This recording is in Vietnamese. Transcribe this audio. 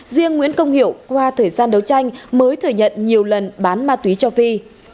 riêng nguyễn công hiệu qua thời gian đấu tranh mới thừa nhận nhiều lần bán ma túy cho phi